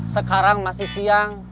sekarang masih siang